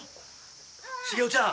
茂雄ちゃん。